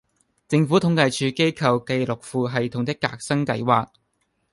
政府統計處機構記錄庫系統的革新計劃